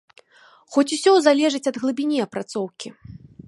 Хоць усё залежыць ад глыбіні апрацоўкі.